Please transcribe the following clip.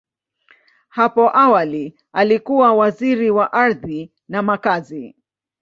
Hapo awali, alikuwa Waziri wa Ardhi na Makazi.